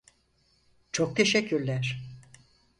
Çok teşekkürler!